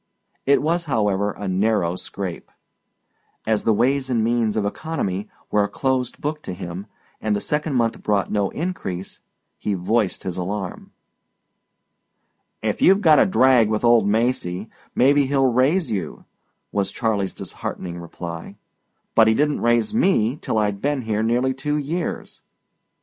It was, however, a narrow scrape; as the ways and means of economy were a closed book to him and the second month brought no increase, he voiced his alarm. "If you've got a drag with old Macy, maybe he'll raise you," was Charley's disheartening reply. "But he didn't raise ME till I'd been here nearly two years."